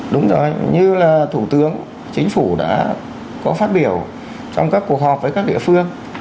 đúng rồi như là thủ tướng chính phủ đã có phát biểu trong các cuộc họp với các địa phương